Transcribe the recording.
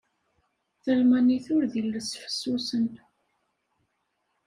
Talmanit ur d iles fessusen.